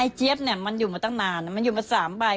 เจี๊ยบเนี่ยมันอยู่มาตั้งนานมันอยู่มา๓ใบ